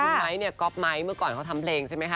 ไมค์เนี่ยก๊อปไมค์เมื่อก่อนเขาทำเพลงใช่ไหมคะ